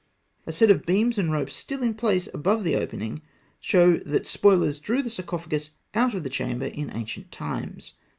A set of beams and ropes still in place above the opening show that the spoilers drew the sarcophagus out of the chamber in ancient times.